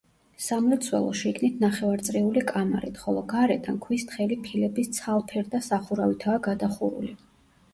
სამლოცველო შიგნით ნახევარწრიული კამარით, ხოლო გარედან ქვის თხელი ფილების ცალფერდა სახურავითაა გადახურული.